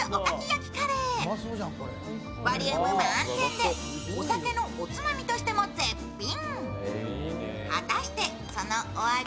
ボリューム満点でお酒のおつまみとしても絶品。